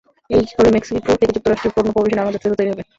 এটা হলে মেক্সিকো থেকে যুক্তরাষ্ট্রে পণ্য প্রবেশে নানা জটিলতা তৈরি হবে।